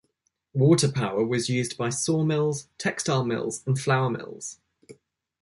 Water power was used by sawmills, textile mills, and flour mills.